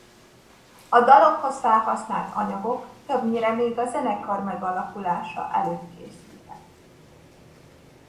A dalokhoz felhasznált anyagok többnyire még a zenekar megalakulása előtt készültek.